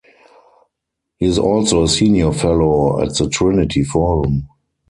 He is also a Senior Fellow at The Trinity Forum.